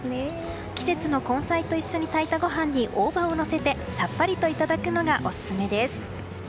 季節の根菜と一緒に炊いたご飯に大葉を載せてさっぱりといただくのがオススメです。